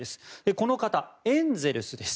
この方、エンゼルスです。